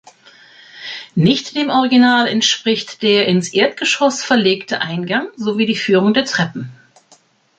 Nicht dem Original entspricht der ins Erdgeschoss verlegte Eingang, sowie die Führung der Treppen.